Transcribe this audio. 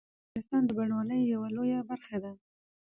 انګور د افغانستان د بڼوالۍ یوه لویه برخه ده.